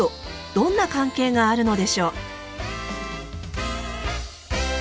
どんな関係があるのでしょう。